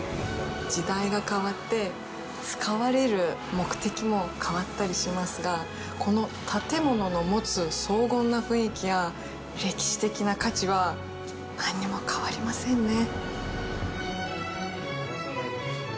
時代が変わって、使われる目的も変わったりしますが、この建物の持つ荘厳な雰囲気や歴史的な価値は、何にも変わりませんね。